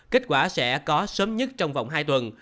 kết quả sẽ có sớm nhất trong vòng hai tuần